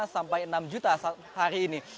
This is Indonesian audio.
lima sampai enam juta hari ini